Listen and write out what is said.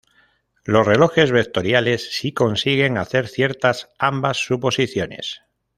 Los relojes vectoriales sí consiguen hacer ciertas ambas suposiciones.